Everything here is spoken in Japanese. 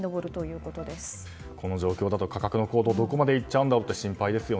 この状況だと価格の高騰どこまでいっちゃうんだろうっていうのが心配ですよね。